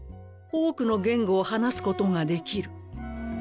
多くの言語を話すことができる。